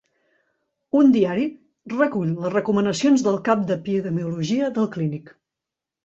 Un diari recull les recomanacions del cap d'Epidemiologia del Clínic